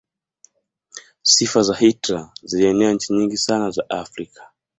sifa za hitler zilienea nchi nyingi sana za afrika